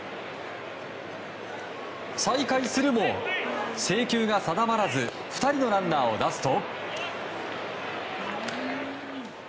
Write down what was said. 再開するも制球が定まらず２人のランナーを出すと。